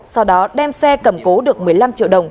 sau đó đem xe cầm cố được một mươi năm triệu đồng